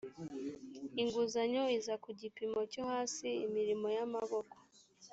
inguzanyo iza ku gipimo cyo hasi imirimo y amaboko